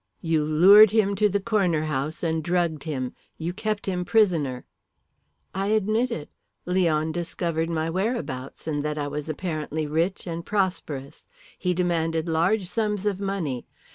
"You lured him to the Corner House and drugged him. You kept him prisoner." "I admit it. Leon discovered my whereabouts, and that I was apparently rich and prosperous. He demanded large sums of money.